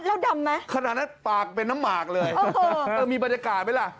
แล้วดำไหมขนาดนั้นปากเป็นน้ำหมากเลยเออมีบรรยากาศไหมล่ะ